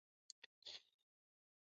مصدر د زمان نخښه نه لري.